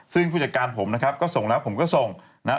ซึ่งผู้จัดการผมนะครับก็ส่งแล้วผมก็ส่งนะครับ